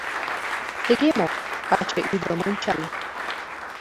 Тыге мо? — каче ӱдырым ончале.